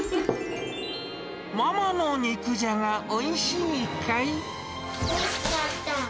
ママの肉じゃが、おいしかった。